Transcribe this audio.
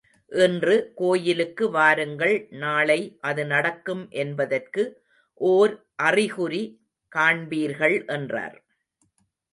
இன்று கோயிலுக்கு வாருங்கள் நாளை அது நடக்கும் என்பதற்கு ஓர் அறிகுறி காண்பீர்கள் என்றார்.